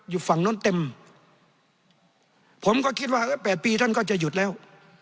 อยู่ฝั่งโน้นเต็มผมก็คิดว่าเออแปดปีท่านก็จะหยุดแล้ว